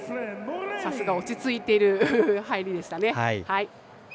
さすが落ち着いてる入りでしたね。